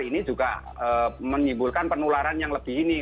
ini juga menimbulkan penularan yang lebih ini